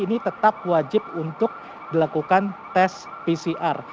ini tetap wajib untuk dilakukan tes pcr